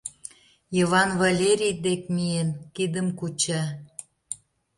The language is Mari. Йыван, Валерий дек миен, кидым куча.